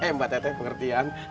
eh mbak teteh pengertian